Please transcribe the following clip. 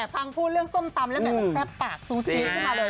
พังพูดเรื่องส้มตำแล้วก็แซ่บปากซูซิให้มาเลย